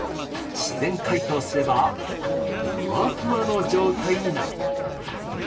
自然解凍すれば、ふわふわの状態になる。